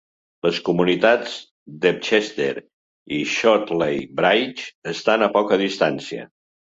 Les comunitats d'Ebchester i Shotley Bridge estan a poca distància.